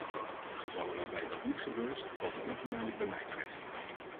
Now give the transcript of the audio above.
De gevallen waarbij dat niet gebeurt, komen onvermijdelijk bij mij terecht.